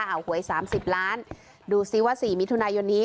เอาหวย๓๐ล้านดูซิว่า๔มิถุนายนนี้